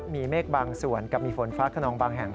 มีเมฆบางส่วนกับมีฝนฟ้าขนองบางแห่ง